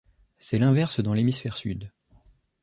C'est l'inverse dans l'hémisphère sud.